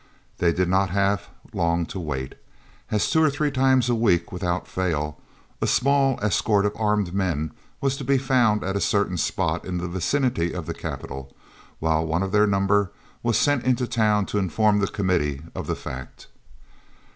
They did not have long to wait, as two or three times a week, without fail, a small escort of armed men was to be found at a certain spot in the vicinity of the capital, while one of their number was sent into town to inform the Committee of the fact.